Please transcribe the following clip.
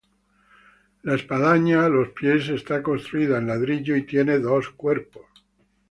La espadaña, a los pies, está construida en ladrillo y tiene dos cuerpos.